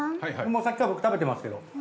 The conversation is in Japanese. さっきから僕食べてますけど。